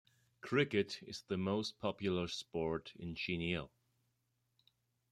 Cricket is the most popular sport in Chiniot.